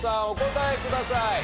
お答えください。